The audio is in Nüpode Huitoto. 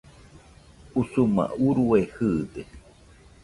Usuma urue jɨɨde